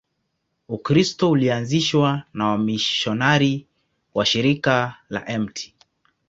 Ukristo ulianzishwa na wamisionari wa Shirika la Mt.